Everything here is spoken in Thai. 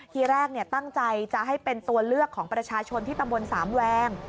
ทีแรกตั้งใจจะให้เป็นตัวเลือกของประชาชนที่ตำบลสามแวง